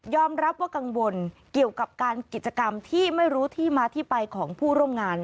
รับว่ากังวลเกี่ยวกับการกิจกรรมที่ไม่รู้ที่มาที่ไปของผู้ร่วมงาน